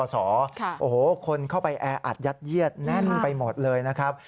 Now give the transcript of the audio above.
โอ้โหคนเข้าไปแออัดยัดเยียดแน่นไปหมดเลยนะครับ